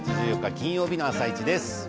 金曜日の「あさイチ」です。